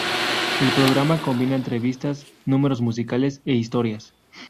El programa combina entrevistas, números musicales e historias.